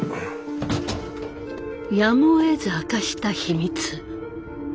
やむをえず明かした秘密。